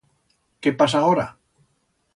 Qué pasa agora?